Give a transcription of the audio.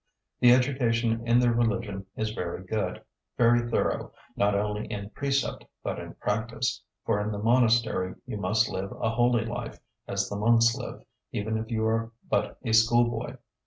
The education in their religion is very good, very thorough, not only in precept, but in practice; for in the monastery you must live a holy life, as the monks live, even if you are but a schoolboy.